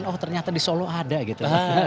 oh ternyata di solo ada gitu